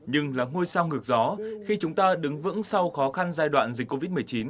nhưng là ngôi sao ngược gió khi chúng ta đứng vững sau khó khăn giai đoạn dịch covid một mươi chín